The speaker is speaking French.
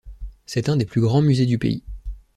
C'est un des plus grands musées du pays.